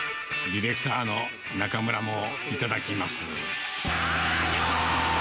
ディレクターの中村もいただきます。